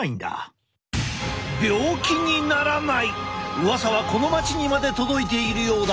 うわさはこの町にまで届いているようだ。